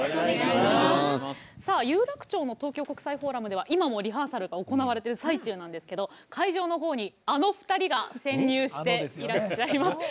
有楽町の東京国際フォーラムでは今もリハーサルが行われている最中なんですが会場のほうに、あの二人が潜入していらっしゃいます。